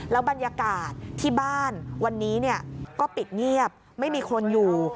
บรรยากาศที่บ้านวันนี้ก็ปิดเงียบไม่มีคนอยู่